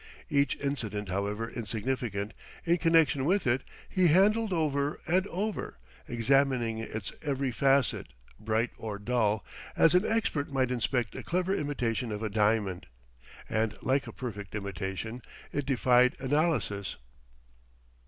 Each incident, however insignificant, in connection with it, he handled over and over, examining its every facet, bright or dull, as an expert might inspect a clever imitation of a diamond; and like a perfect imitation it defied analysis.